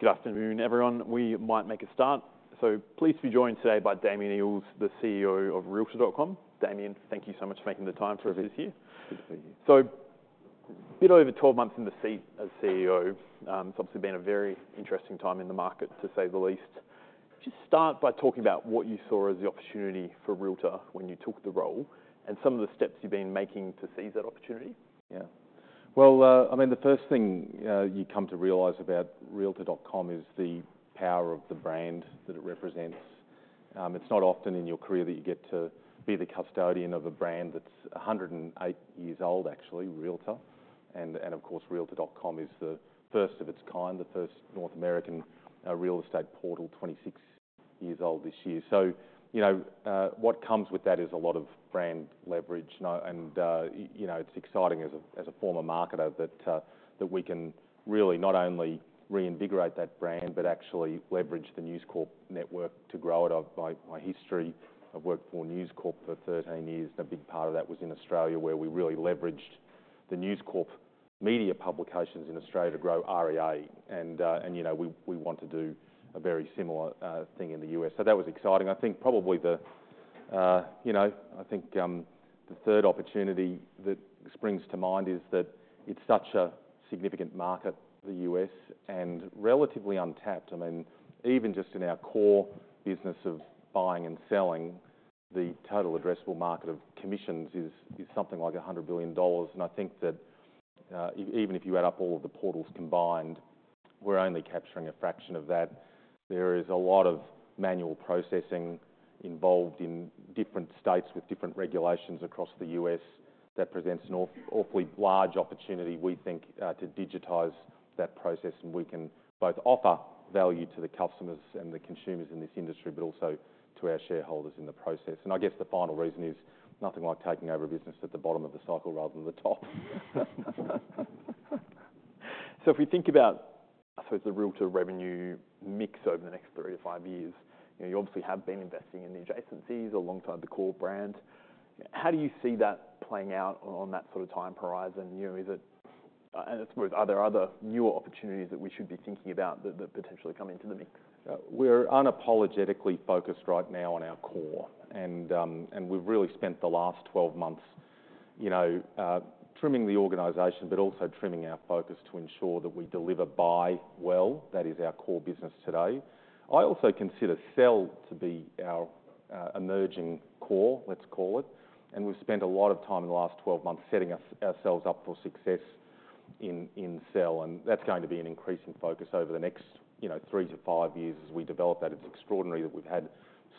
Good afternoon, everyone. We might make a start. So pleased to be joined today by Damian Eales, the CEO of Realtor.com. Damian, thank you so much for making the time to be with us here. Good to see you. A bit over 12 months in the seat as CEO, it's obviously been a very interesting time in the market, to say the least. Just start by talking about what you saw as the opportunity for Realtor when you took the role, and some of the steps you've been making to seize that opportunity. Yeah. Well, I mean, the first thing you come to realize about Realtor.com is the power of the brand that it represents. It's not often in your career that you get to be the custodian of a brand that's 108 years old, actually, Realtor, and of course, Realtor.com is the first of its kind, the first North American real estate portal, 26 years old this year. So, you know, what comes with that is a lot of brand leverage, and you know, it's exciting as a former marketer that we can really not only reinvigorate that brand, but actually leverage the News Corp network to grow it. Of my history, I've worked for News Corp for 13 years. A big part of that was in Australia, where we really leveraged the News Corp media publications in Australia to grow REA, and you know, we want to do a very similar thing in the U.S. So that was exciting. I think probably the you know, I think the third opportunity that springs to mind is that it's such a significant market, the U.S., and relatively untapped. I mean, even just in our core business of buying and selling, the total addressable market of commissions is something like $100 billion, and I think that even if you add up all of the portals combined, we're only capturing a fraction of that. There is a lot of manual processing involved in different states with different regulations across the U.S. That presents an awfully large opportunity, we think, to digitize that process, and we can both offer value to the customers and the consumers in this industry, but also to our shareholders in the process. And I guess the final reason is, nothing like taking over a business at the bottom of the cycle rather than the top. So if we think about the Realtor revenue mix over the next three to five years, you know, you obviously have been investing in the adjacencies alongside the core brand. How do you see that playing out on that sort of time horizon? You know, is it and I suppose, are there other newer opportunities that we should be thinking about that potentially come into the mix? We're unapologetically focused right now on our core, and we've really spent the last 12 months, you know, trimming the organization, but also trimming our focus to ensure that we deliver buy well. That is our core business today. I also consider sell to be our emerging core, let's call it, and we've spent a lot of time in the last 12 months setting ourselves up for success in sell, and that's going to be an increasing focus over the next, you know, three to five years as we develop that. It's extraordinary that we've had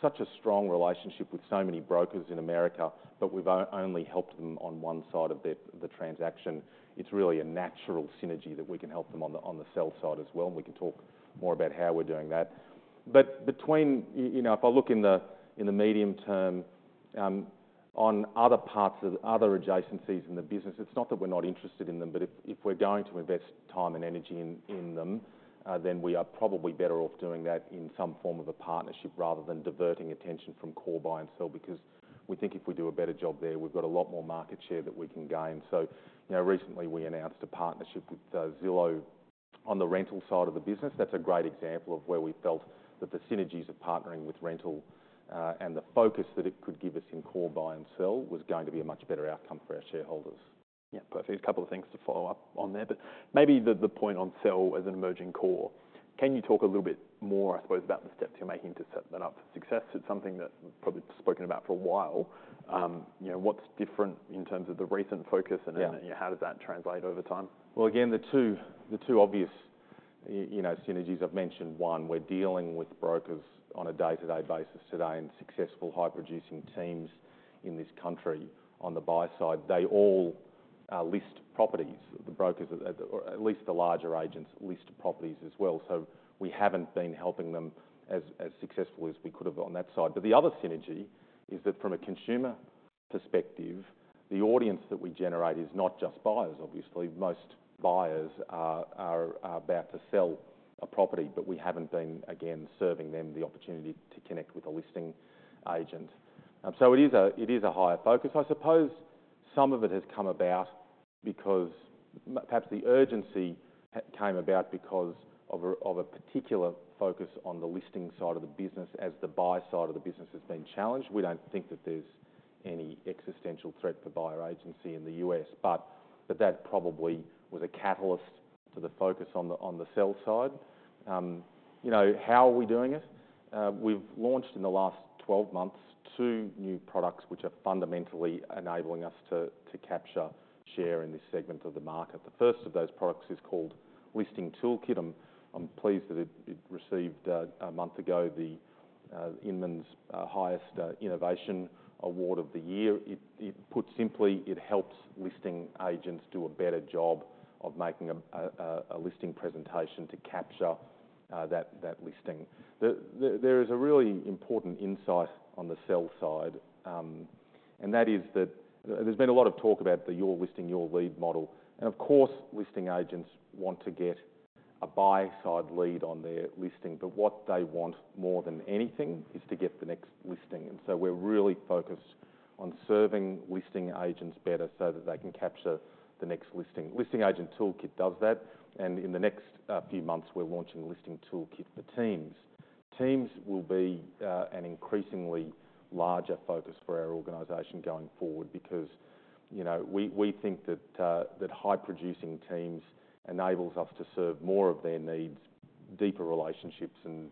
such a strong relationship with so many brokers in America, but we've only helped them on one side of the transaction. It's really a natural synergy that we can help them on the sell side as well, and we can talk more about how we're doing that. But you know, if I look in the medium term, on other parts of the other adjacencies in the business, it's not that we're not interested in them, but if we're going to invest time and energy in them, then we are probably better off doing that in some form of a partnership rather than diverting attention from core buy and sell, because we think if we do a better job there, we've got a lot more market share that we can gain. So, you know, recently we announced a partnership with Zillow on the rental side of the business. That's a great example of where we felt that the synergies of partnering with rental and the focus that it could give us in core buy and sell, was going to be a much better outcome for our shareholders. Yeah, perfect. A couple of things to follow up on there, but maybe the point on sell as an emerging core. Can you talk a little bit more, I suppose, about the steps you're making to set that up for success? It's something that probably spoken about for a while. You know, what's different in terms of the recent focus- Yeah... and how does that translate over time? Well, again, the two obvious, you know, synergies, I've mentioned one. We're dealing with brokers on a day-to-day basis today, and successful high-producing teams in this country on the buy side. They all list properties. The brokers, or at least the larger agents, list properties as well. So we haven't been helping them as successfully as we could have on that side. But the other synergy is that from a consumer perspective, the audience that we generate is not just buyers, obviously. Most buyers are about to sell a property, but we haven't been, again, serving them the opportunity to connect with a listing agent, so it is a higher focus. I suppose some of it has come about because perhaps the urgency came about because of a particular focus on the listing side of the business, as the buy side of the business has been challenged. We don't think that there's any existential threat to buyer agency in the U.S., but that probably was a catalyst to the focus on the sell side. You know, how are we doing it? We've launched, in the last 12 months, two new products, which are fundamentally enabling us to capture share in this segment of the market. The first of those products is called Listing Toolkit. I'm pleased that it received, a month ago, the Inman's highest innovation award of the year. Put simply, it helps listing agents do a better job of making a listing presentation to capture that listing. There is a really important insight on the sell side, and that is that there's been a lot of talk about the Your Listing, Your Lead model, and of course, listing agents want to get a buy-side lead on their listing, but what they want more than anything is to get the next listing, and so we're really focused on serving listing agents better so that they can capture the next listing. Listing Toolkit does that, and in the next few months, we're launching Listing Toolkit for Teams. Teams will be an increasingly larger focus for our organization going forward because, you know, we think that high-producing teams enables us to serve more of their needs, deeper relationships, and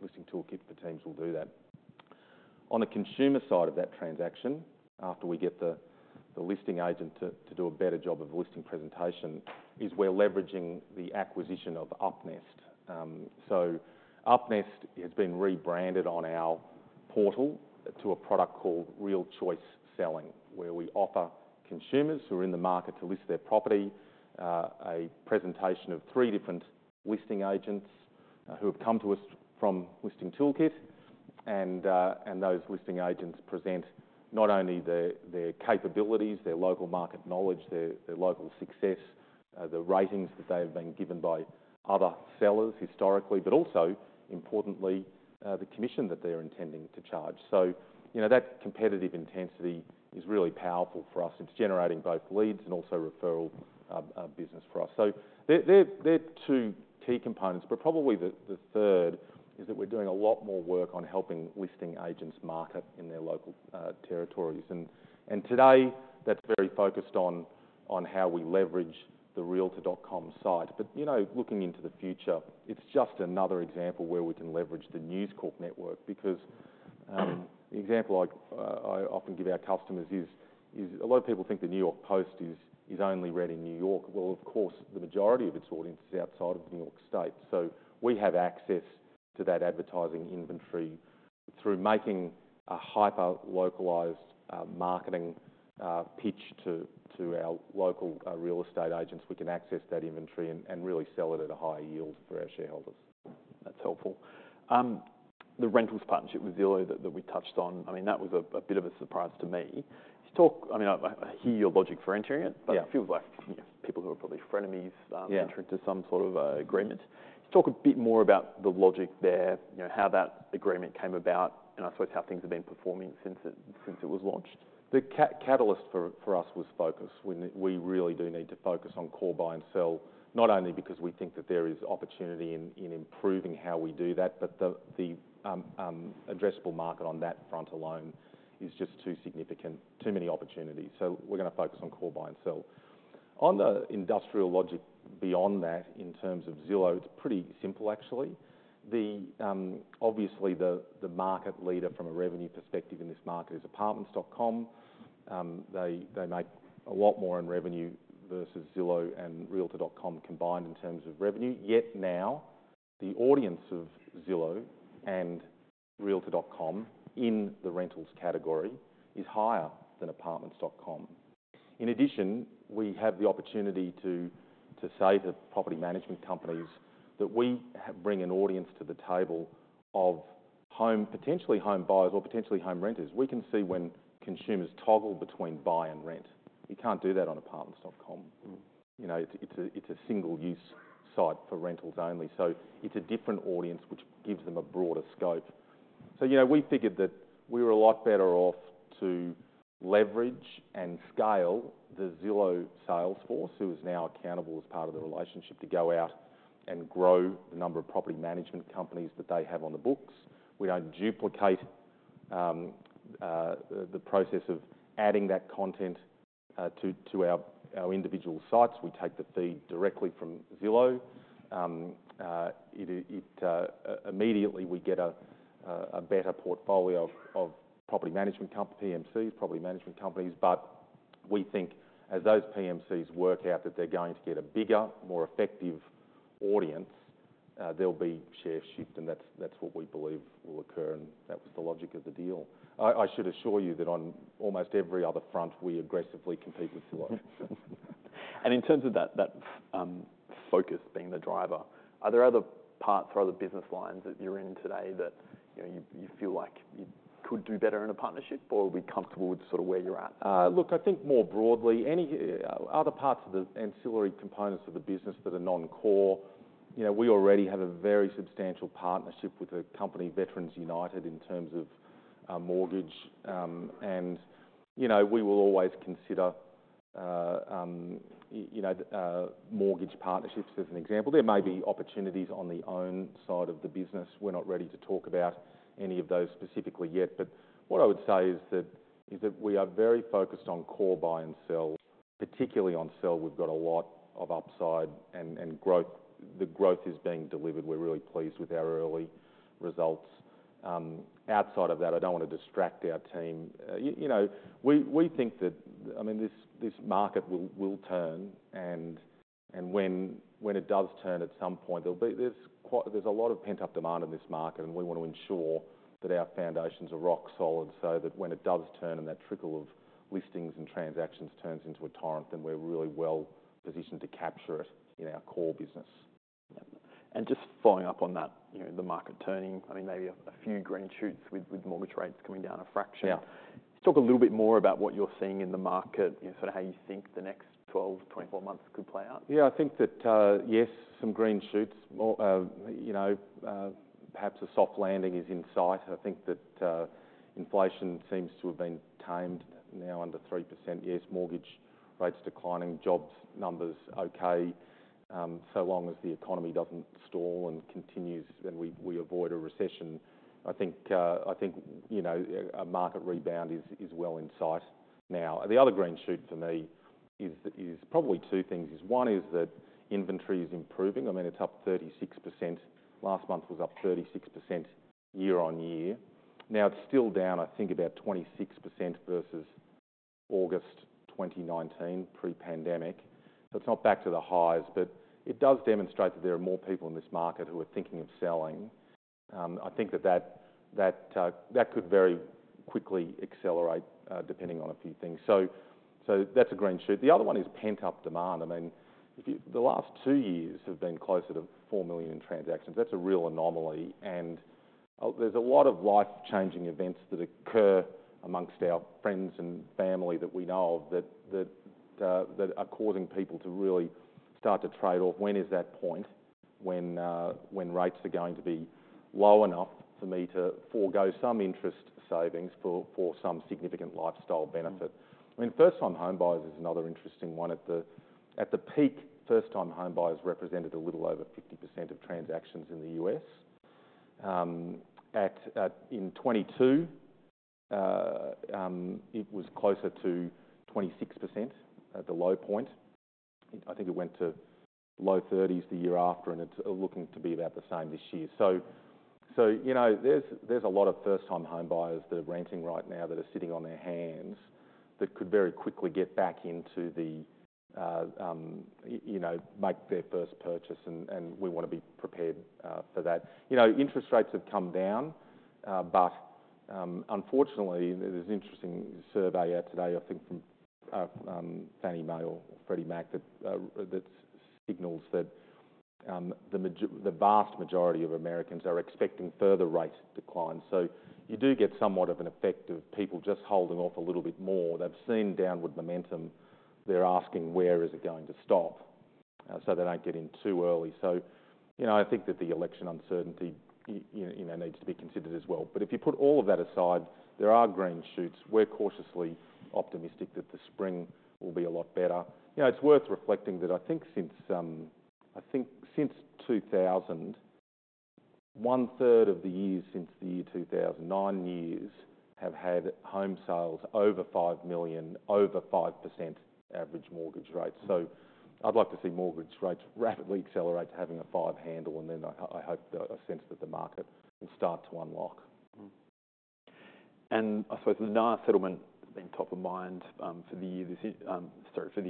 Listing Toolkit for Teams will do that. On the consumer side of that transaction, after we get the listing agent to do a better job of listing presentation, is we're leveraging the acquisition of UpNest. So UpNest has been rebranded on our portal to a product called RealChoice Selling, where we offer consumers who are in the market to list their property, a presentation of three different listing agents, who have come to us from Listing Toolkit. Those listing agents present not only their capabilities, their local market knowledge, their local success, the ratings that they have been given by other sellers historically, but also, importantly, the commission that they're intending to charge. You know, that competitive intensity is really powerful for us. It's generating both leads and also referral business for us. They're two key components, but probably the third is that we're doing a lot more work on helping listing agents market in their local territories. Today, that's very focused on how we leverage the Realtor.com site. You know, looking into the future, it's just another example where we can leverage the News Corp network. Because the example I often give our customers is a lot of people think the New York Post is only read in New York. Of course, the majority of its audience is outside of New York State, so we have access to that advertising inventory. Through making a hyper-localized marketing pitch to our local real estate agents, we can access that inventory and really sell it at a higher yield for our shareholders. That's helpful. The rentals partnership with Zillow that we touched on, I mean, that was a bit of a surprise to me. I mean, I hear your logic for entering it- Yeah. -but it feels like, you know, people who are probably frenemies- Yeah. Entering into some sort of agreement. Just talk a bit more about the logic there, you know, how that agreement came about, and I suppose how things have been performing since it was launched. The catalyst for us was focus. We really do need to focus on core buy and sell, not only because we think that there is opportunity in improving how we do that, but the addressable market on that front alone is just too significant, too many opportunities, so we're gonna focus on core buy and sell. On the industrial logic beyond that, in terms of Zillow, it's pretty simple, actually. Obviously, the market leader from a revenue perspective in this market is Apartments.com. They make a lot more in revenue versus Zillow and Realtor.com combined in terms of revenue. Yet now, the audience of Zillow and Realtor.com in the rentals category is higher than Apartments.com. In addition, we have the opportunity to say to property management companies that we bring an audience to the table of home, potentially home buyers or potentially home renters. We can see when consumers toggle between buy and rent. You can't do that on Apartments.com. You know, it's a single-use site for rentals only, so it's a different audience, which gives them a broader scope. So, you know, we figured that we were a lot better off to leverage and scale the Zillow sales force, who is now accountable as part of the relationship, to go out and grow the number of property management companies that they have on the books. We don't duplicate the process of adding that content to our individual sites. We take the feed directly from Zillow. Immediately, we get a better portfolio of property management PMCs, property management companies. But we think as those PMCs work out, that they're going to get a bigger, more effective audience, there'll be share shift, and that's what we believe will occur, and that was the logic of the deal. I should assure you that on almost every other front, we aggressively compete with Zillow. In terms of that focus being the driver, are there other parts or other business lines that you're in today that, you know, you feel like you could do better in a partnership, or are we comfortable with sort of where you're at? Look, I think more broadly, any other parts of the ancillary components of the business that are non-core, you know, we already have a very substantial partnership with a company, Veterans United, in terms of mortgage, and, you know, we will always consider, you know, mortgage partnerships, as an example. There may be opportunities on the loan side of the business. We're not ready to talk about any of those specifically yet, but what I would say is that we are very focused on core buy and sell. Particularly on sell, we've got a lot of upside and growth. The growth is being delivered. We're really pleased with our early results. Outside of that, I don't want to distract our team. You know, we think that, I mean, this market will turn, and when it does turn, at some point, there'll be... There's a lot of pent-up demand in this market, and we want to ensure that our foundations are rock solid, so that when it does turn, and that trickle of listings and transactions turns into a torrent, then we're really well positioned to capture it in our core business. Yep. And just following up on that, you know, the market turning. I mean, maybe a few green shoots with mortgage rates coming down a fraction. Yeah. Just talk a little bit more about what you're seeing in the market and sort of how you think the next 12-24 months could play out? Yeah, I think that, yes, some green shoots, more, you know, perhaps a soft landing is in sight. I think that, inflation seems to have been tamed now under 3%. Yes, mortgage rates declining, jobs numbers okay, so long as the economy doesn't stall and continues, then we avoid a recession. I think, you know, a market rebound is well in sight now. The other green shoot for me is probably two things, one, that inventory is improving. I mean, it's up 36%. Last month was up 36% year-on-year. Now, it's still down, I think, about 26% versus August 2019, pre-pandemic, so it's not back to the highs, but it does demonstrate that there are more people in this market who are thinking of selling. I think that could very quickly accelerate, depending on a few things. So that's a green shoot. The other one is pent-up demand. I mean, if you, the last two years have been closer to $4 million in transactions. That's a real anomaly, and there's a lot of life-changing events that occur amongst our friends and family that we know of, that are causing people to really start to trade off. When is that point when rates are going to be low enough for me to forego some interest savings for some significant lifestyle benefit? I mean, first-time home buyers is another interesting one. At the peak, first-time home buyers represented a little over 50% of transactions in the U.S. In 2022, it was closer to 26% at the low point. I think it went to low 30s% the year after, and it's looking to be about the same this year. You know, there's a lot of first-time home buyers that are renting right now, that are sitting on their hands, that could very quickly get back into the, you know, make their first purchase, and we want to be prepared for that. You know, interest rates have come down, but unfortunately, there's an interesting survey out today, I think, from Fannie Mae or Freddie Mac, that signals that the vast majority of Americans are expecting further rate declines, so you do get somewhat of an effect of people just holding off a little bit more. They've seen downward momentum. They're asking, "Where is it going to stop?" So, they don't get in too early. So, you know, I think that the election uncertainty, you know, needs to be considered as well. But if you put all of that aside, there are green shoots. We're cautiously optimistic that the spring will be a lot better. You know, it's worth reflecting that, I think since 2000, one-third of the years since the year 2000, nine years, have had home sales over $5 million, over 5% average mortgage rates. So I'd like to see mortgage rates rapidly accelerate to having a five handle, and then I hope, I sense that the market will start to unlock. Mm-hmm. And I suppose the NAR settlement has been top of mind for the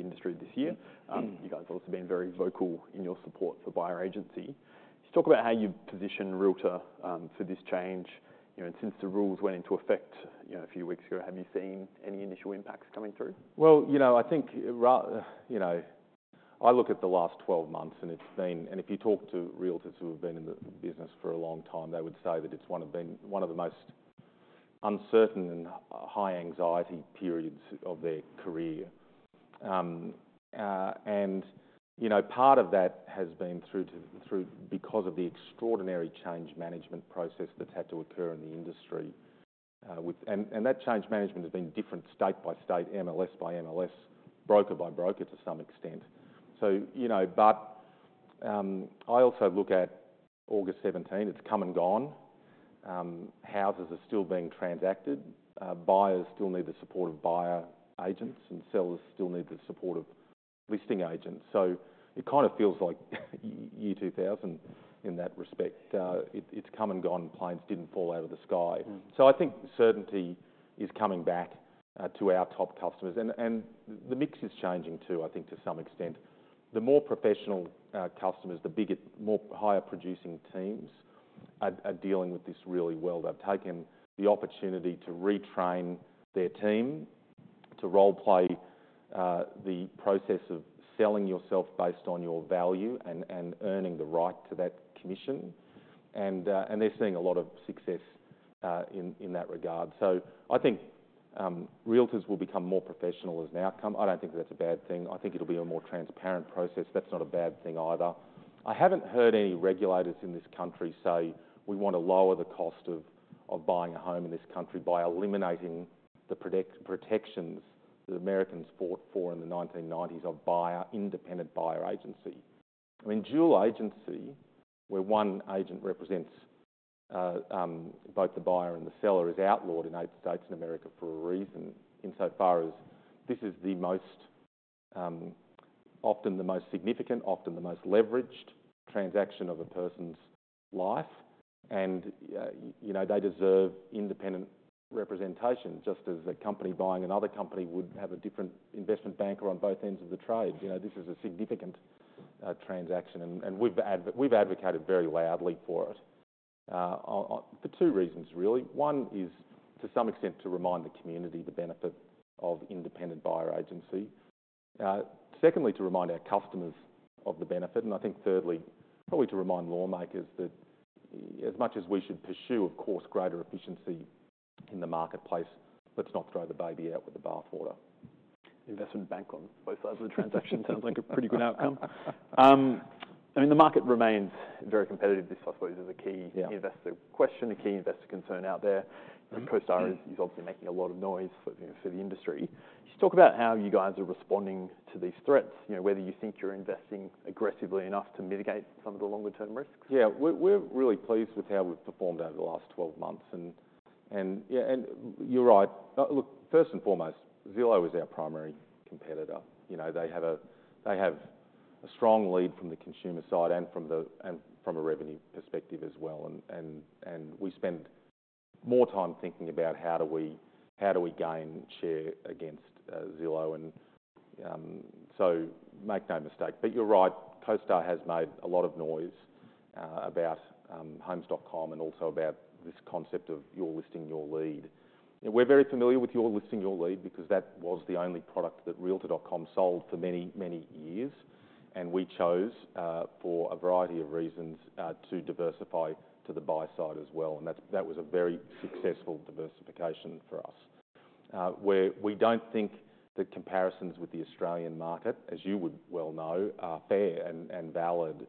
industry this year. You guys have also been very vocal in your support for buyer agency. Just talk about how you've positioned Realtor for this change, you know, and since the rules went into effect, you know, a few weeks ago, have you seen any initial impacts coming through? You know, I think. You know, I look at the last 12 months, and it's been. If you talk to Realtors who have been in the business for a long time, they would say that it's been one of the most uncertain and high anxiety periods of their career. You know, part of that has been because of the extraordinary change management process that's had to occur in the industry. That change management has been different state by state, MLS by MLS, broker by broker, to some extent. You know, but I also look at August 17. It's come and gone. Houses are still being transacted. Buyers still need the support of buyer agents, and sellers still need the support of listing agents. So it kind of feels like year 2000 in that respect. It's come and gone. Planes didn't fall out of the sky. Mm-hmm. So I think certainty is coming back to our top customers, and the mix is changing too, I think to some extent. The more professional customers, the bigger, more higher-producing teams are dealing with this really well. They've taken the opportunity to retrain their team to role-play the process of selling yourself based on your value and earning the right to that commission. And they're seeing a lot of success in that regard. So I think Realtors will become more professional as an outcome. I don't think that's a bad thing. I think it'll be a more transparent process. That's not a bad thing either. I haven't heard any regulators in this country say: We want to lower the cost of buying a home in this country by eliminating the protections that Americans fought for in the 1990s of buyer, independent buyer agency. I mean, dual agency, where one agent represents both the buyer and the seller, is outlawed in eight states in America for a reason, insofar as this is the most, often the most significant, often the most leveraged transaction of a person's life. And you know, they deserve independent representation, just as a company buying another company would have a different investment banker on both ends of the trade. You know, this is a significant transaction, and we've advocated very loudly for it, for two reasons, really. One is, to some extent, to remind the community the benefit of independent buyer agency. Secondly, to remind our customers of the benefit, and I think thirdly, probably to remind lawmakers that as much as we should pursue, of course, greater efficiency in the marketplace, let's not throw the baby out with the bathwater. Investment bank on both sides of the transaction sounds like a pretty good outcome. I mean, the market remains very competitive. This, I suppose, is a key- Yeah. Investor question, a key investor concern out there. CoStar is obviously making a lot of noise, you know, for the industry. Just talk about how you guys are responding to these threats, you know, whether you think you're investing aggressively enough to mitigate some of the longer-term risks. Yeah. We're really pleased with how we've performed over the last 12 months, and yeah, you're right. Look, first and foremost, Zillow is our primary competitor. You know, they have a strong lead from the consumer side and from a revenue perspective as well. And we spend more time thinking about how do we gain share against Zillow, so make no mistake. But you're right, CoStar has made a lot of noise about Homes.com and also about this concept of Your Listing, Your Lead. We're very familiar with Your Listing, Your Lead because that was the only product that Realtor.com sold for many, many years, and we chose, for a variety of reasons, to diversify to the buy side as well, and that was a very successful diversification for us. Where we don't think the comparisons with the Australian market, as you would well know, are fair and valid.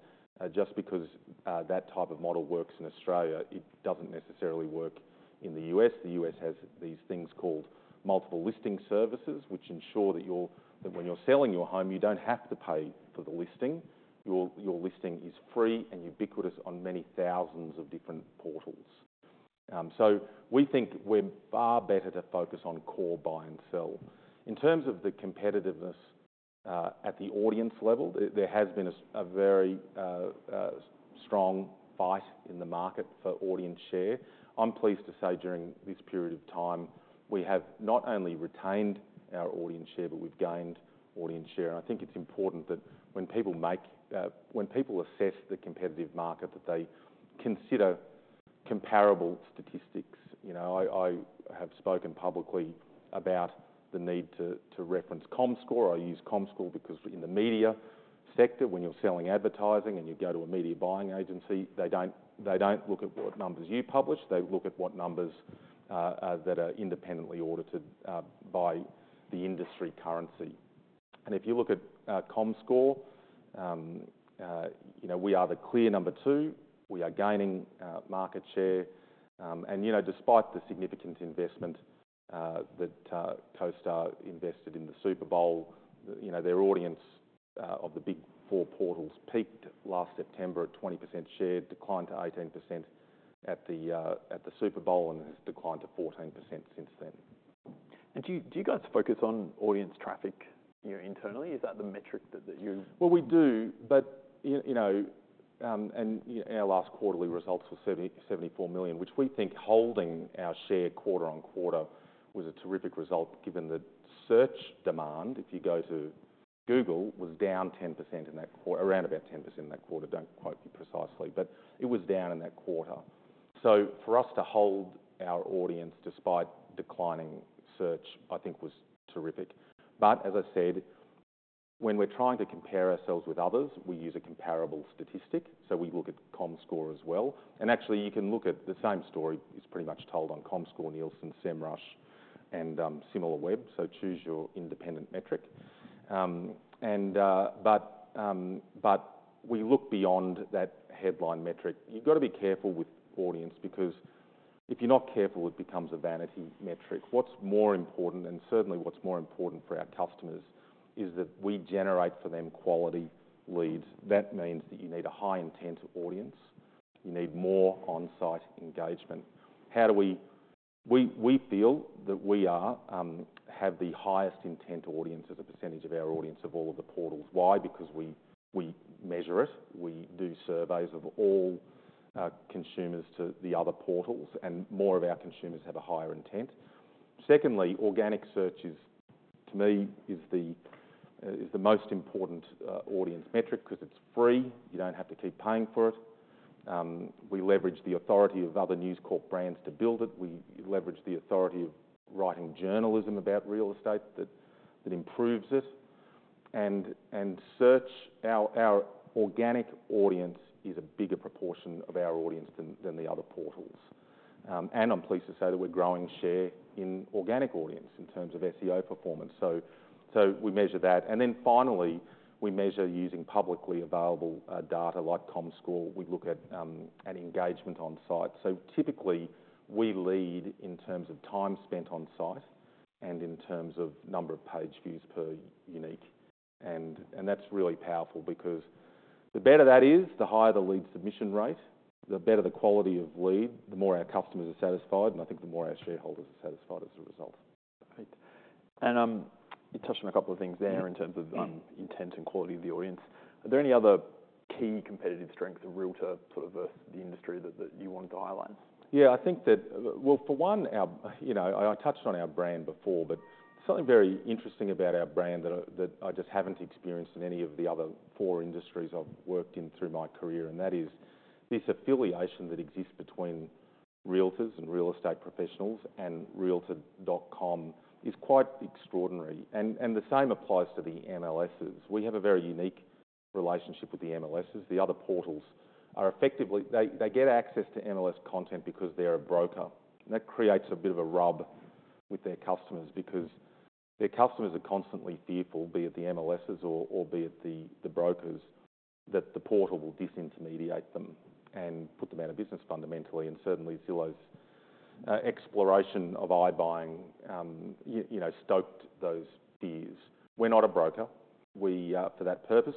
Just because that type of model works in Australia, it doesn't necessarily work in the U.S. The U.S. has these things called multiple listing services, which ensure that when you're selling your home, you don't have to pay for the listing. Your listing is free and ubiquitous on many thousands of different portals. So we think we're far better to focus on core buy and sell. In terms of the competitiveness, at the audience level, there has been a very strong fight in the market for audience share. I'm pleased to say, during this period of time, we have not only retained our audience share, but we've gained audience share. I think it's important that when people assess the competitive market, that they consider comparable statistics. You know, I have spoken publicly about the need to reference Comscore. I use Comscore because in the media sector, when you're selling advertising, and you go to a media buying agency, they don't look at what numbers you publish, they look at what numbers that are independently audited by the industry currency. And if you look at Comscore, you know, we are the clear number two, we are gaining market share. And you know, despite the significant investment that CoStar invested in the Super Bowl, you know, their audience of the big four portals peaked last September at 20% share, declined to 18% at the Super Bowl and has declined to 14% since then. Do you guys focus on audience traffic, you know, internally? Is that the metric that you- We do, but you know, our last quarterly results were $74 million, which we think holding our share quarter-on-quarter was a terrific result, given the search demand, if you go to Google, was down 10% around about 10% in that quarter. Don't quote me precisely, but it was down in that quarter. So for us to hold our audience, despite declining search, I think was terrific. But as I said, when we're trying to compare ourselves with others, we use a comparable statistic, so we look at Comscore as well. And actually, you can look at the same story is pretty much told on Comscore, Nielsen, Semrush, and Similarweb, so choose your independent metric. We look beyond that headline metric. You've got to be careful with audience because if you're not careful, it becomes a vanity metric. What's more important, and certainly what's more important for our customers, is that we generate for them quality leads. That means that you need a high-intent audience, you need more on-site engagement. We feel that we have the highest intent audience as a percentage of our audience, of all of the portals. Why? Because we measure it. We do surveys of all consumers to the other portals, and more of our consumers have a higher intent. Secondly, organic search is, to me, the most important audience metric 'cause it's free. You don't have to keep paying for it. We leverage the authority of other News Corp brands to build it. We leverage the authority of writing journalism about real estate that improves it, and search. Our organic audience is a bigger proportion of our audience than the other portals, and I'm pleased to say that we're growing share in organic audience in terms of SEO performance, so we measure that. And then finally, we measure using publicly available data like Comscore. We look at engagement on site, so typically, we lead in terms of time spent on site and in terms of number of page views per unique, and that's really powerful because the better that is, the higher the lead submission rate, the better the quality of lead, the more our customers are satisfied, and I think the more our shareholders are satisfied as a result. Great. And, you touched on a couple of things there in terms of, intent and quality of the audience. Are there any other key competitive strengths of Realtor, sort of, versus the industry that you wanted to highlight? Yeah, I think that. Well, for one, our, you know, I, I touched on our brand before, but something very interesting about our brand that, that I just haven't experienced in any of the other four industries I've worked in through my career, and that is this affiliation that exists between Realtors and real estate professionals, and Realtor.com is quite extraordinary. The same applies to the MLSs. We have a very unique relationship with the MLSs. The other portals are effectively they get access to MLS content because they're a broker. And that creates a bit of a rub with their customers, because their customers are constantly fearful, be it the MLSs or be it the brokers, that the portal will disintermediate them and put them out of business fundamentally, and certainly Zillow's exploration of iBuying, you know, stoked those fears. We're not a broker. We, for that purpose,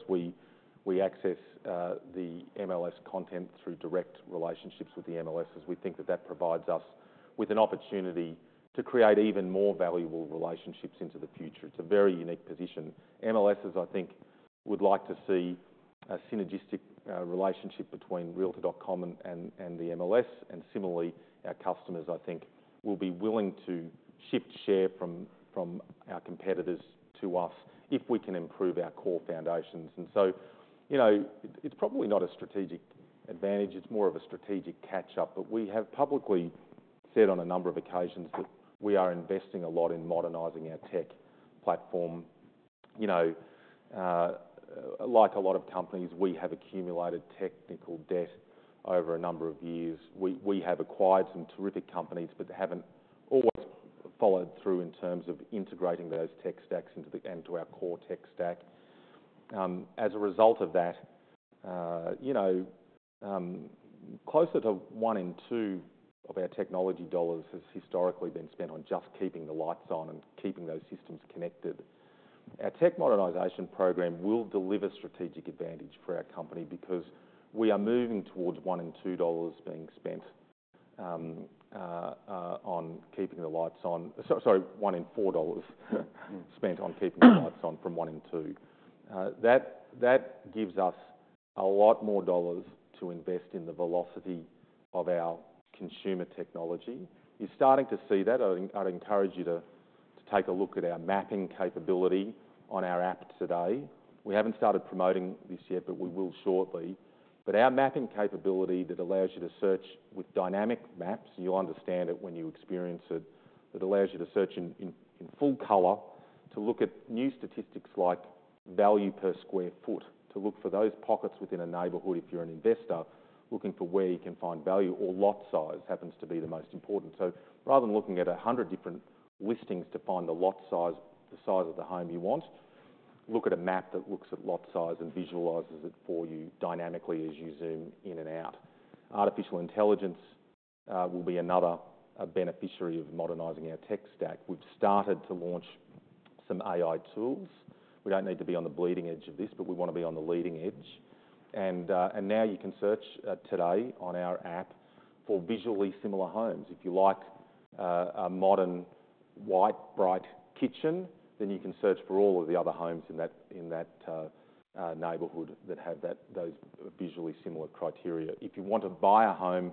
access the MLS content through direct relationships with the MLSs. We think that that provides us with an opportunity to create even more valuable relationships into the future. It's a very unique position. MLSs, I think, would like to see a synergistic relationship between Realtor.com and the MLS. And similarly, our customers, I think, will be willing to shift share from our competitors to us if we can improve our core foundations. And so, you know, it's probably not a strategic advantage, it's more of a strategic catch-up. But we have publicly said on a number of occasions that we are investing a lot in modernizing our tech platform. You know, like a lot of companies, we have accumulated technical debt over a number of years. We have acquired some terrific companies, but they haven't always followed through in terms of integrating those tech stacks into our core tech stack. As a result of that, you know, closer to one in two of our technology dollars has historically been spent on just keeping the lights on and keeping those systems connected. Our tech modernization program will deliver strategic advantage for our company because we are moving towards one in two dollars being spent on keeping the lights on. Sorry, one in four dollars spent on keeping the lights on from one in two. That gives us a lot more dollars to invest in the velocity of our consumer technology. You're starting to see that. I'd encourage you to take a look at our mapping capability on our app today. We haven't started promoting this yet, but we will shortly. But our mapping capability that allows you to search with dynamic maps. You'll understand it when you experience it. That allows you to search in full color, to look at new statistics like value per square foot, to look for those pockets within a neighborhood if you're an investor, looking for where you can find value or lot size, happens to be the most important. So rather than looking at a hundred different listings to find the lot size, the size of the home you want, look at a map that looks at lot size and visualizes it for you dynamically as you zoom in and out. Artificial intelligence will be another beneficiary of modernizing our tech stack. We've started to launch some AI tools. We don't need to be on the bleeding edge of this, but we wanna be on the leading edge. And now you can search today on our app for visually similar homes. If you like a modern, white, bright kitchen, then you can search for all of the other homes in that neighborhood that have those visually similar criteria. If you want to buy a home,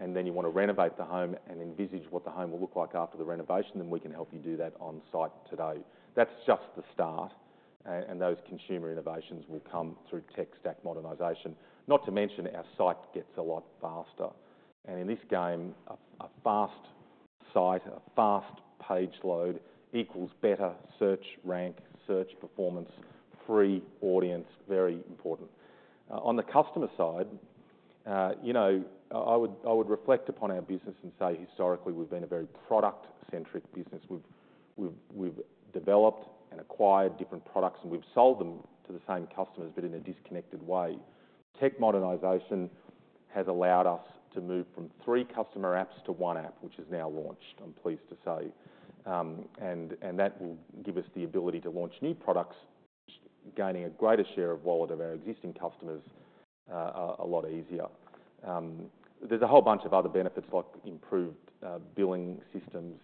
and then you want to renovate the home and envisage what the home will look like after the renovation, then we can help you do that on site today. That's just the start, and those consumer innovations will come through tech stack modernization. Not to mention, our site gets a lot faster, and in this game, a fast site, a fast page load, equals better search rank, search performance, free audience, very important. On the customer side, you know, I would reflect upon our business and say, historically, we've been a very product-centric business. We've developed and acquired different products, and we've sold them to the same customers, but in a disconnected way. Tech modernization has allowed us to move from three customer apps to one app, which is now launched, I'm pleased to say, and that will give us the ability to launch new products, gaining a greater share of wallet of our existing customers a lot easier. There's a whole bunch of other benefits, like improved billing systems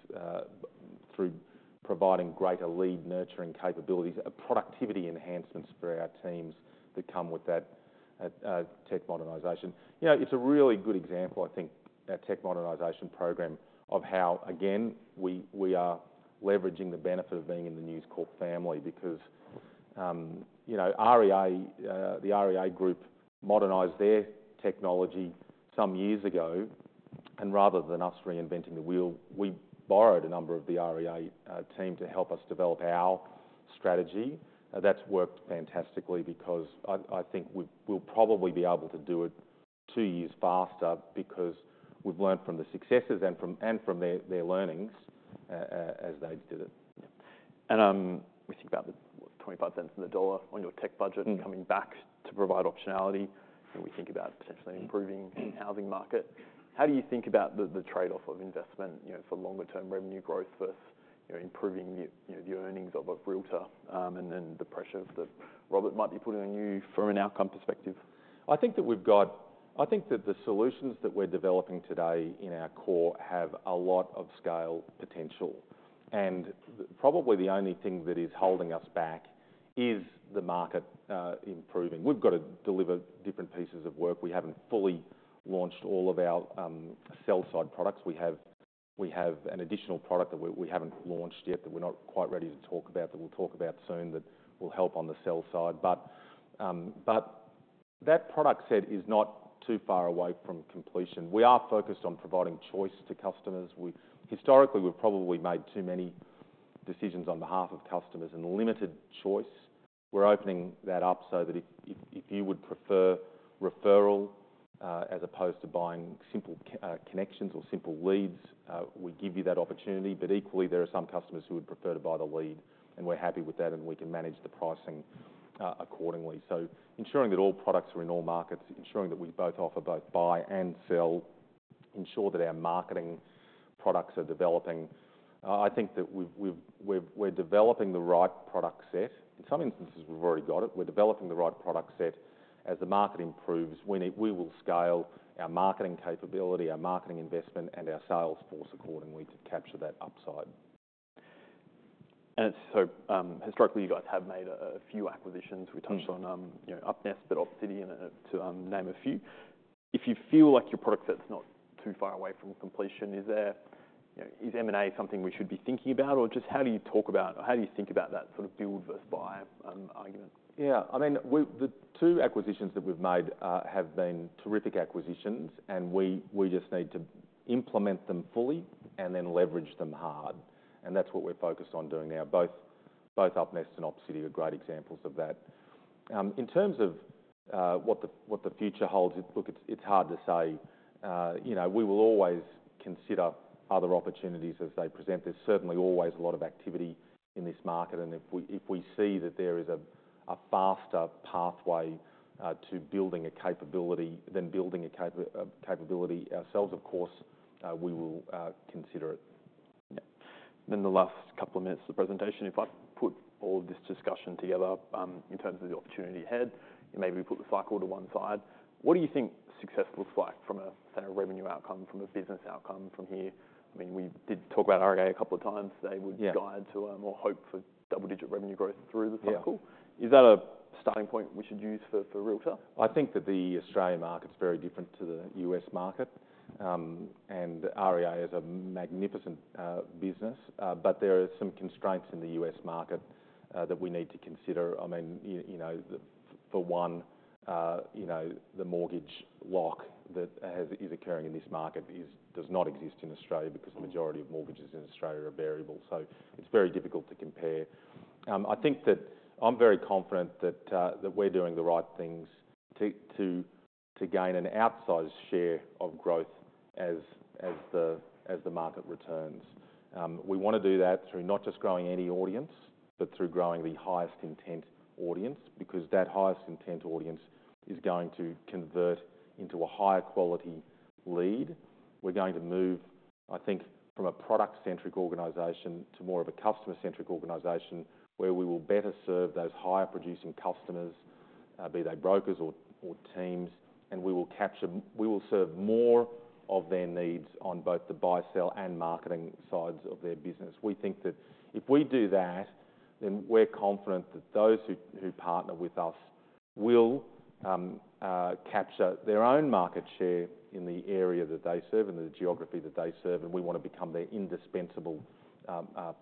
through providing greater lead nurturing capabilities, productivity enhancements for our teams that come with that tech modernization. You know, it's a really good example, I think, our tech modernization program, of how, again, we are leveraging the benefit of being in the News Corp family. Because you know, REA, the REA Group modernized their technology some years ago, and rather than us reinventing the wheel, we borrowed a number of the REA team to help us develop our strategy. That's worked fantastically because I think we'll probably be able to do it two years faster because we've learned from the successes and from their learnings as they did it. And, we think about the 25 cents on the dollar on your tech budget coming back to provide optionality, and we think about potentially improving the housing market. How do you think about the trade-off of investment, you know, for longer term revenue growth versus, you know, improving the, you know, the earnings of a Realtor, and then the pressures that Robert might be putting on you from an outcome perspective? I think that the solutions that we're developing today in our core have a lot of scale potential, and probably the only thing that is holding us back is the market improving. We've got to deliver different pieces of work. We haven't fully launched all of our sell side products. We have an additional product that we haven't launched yet, that we're not quite ready to talk about, but we'll talk about soon, that will help on the sell side. That product set is not too far away from completion. We are focused on providing choice to customers. We historically, we've probably made too many decisions on behalf of customers, and limited choice. We're opening that up so that if you would prefer referral, as opposed to buying simple connections or simple leads, we give you that opportunity. But equally, there are some customers who would prefer to buy the lead, and we're happy with that, and we can manage the pricing accordingly. So ensuring that all products are in all markets, ensuring that we both offer both buy and sell, ensure that our marketing products are developing. I think that we're developing the right product set. In some instances, we've already got it. We're developing the right product set. As the market improves, we will scale our marketing capability, our marketing investment, and our sales force accordingly to capture that upside. Historically, you guys have made a few acquisitions. Mm-hmm. We touched on, you know, UpNest, but Opcity, and name a few. If you feel like your product set is not too far away from completion, is there, you know, is M&A something we should be thinking about? Or just how do you talk about how do you think about that sort of build versus buy, argument? Yeah, I mean, we've the two acquisitions that we've made have been terrific acquisitions, and we just need to implement them fully and then leverage them hard. That's what we're focused on doing now. Both UpNest and Opcity are great examples of that. In terms of what the future holds, look, it's hard to say. You know, we will always consider other opportunities as they present. There's certainly always a lot of activity in this market, and if we see that there is a faster pathway to building a capability than building a capability ourselves, of course, we will consider it. Yeah. Then the last couple of minutes of the presentation, if I put all of this discussion together, in terms of the opportunity ahead, and maybe put the cycle to one side, what do you think success looks like from a sort of revenue outcome, from a business outcome from here? I mean, we did talk about REA a couple of times. Yeah. They would guide to, or hope for double-digit revenue growth through the cycle. Yeah. Is that a starting point we should use for Realtor? I think that the Australian market's very different to the U.S. market, and REA is a magnificent business, but there are some constraints in the U.S. market that we need to consider. I mean, you know, for one, you know, the mortgage lock that is occurring in this market does not exist in Australia because the majority of mortgages in Australia are variable, so it's very difficult to compare. I think that I'm very confident that we're doing the right things to gain an outsized share of growth as the market returns. We wanna do that through not just growing any audience, but through growing the highest intent audience, because that highest intent audience is going to convert into a higher quality lead. We're going to move, I think, from a product-centric organization to more of a customer-centric organization, where we will better serve those higher-producing customers, be they brokers or teams, and we will serve more of their needs on both the buy, sell and marketing sides of their business. We think that if we do that, then we're confident that those who partner with us will capture their own market share in the area that they serve and the geography that they serve, and we wanna become their indispensable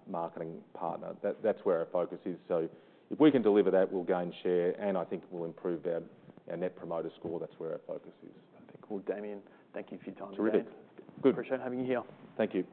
marketing partner. That's where our focus is. So if we can deliver that, we'll gain share, and I think we'll improve our Net Promoter Score. That's where our focus is. Okay. Well, Damian, thank you for your time today. Terrific. Good. Appreciate having you here. Thank you.